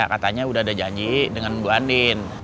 katanya sudah ada janji dengan ibu andin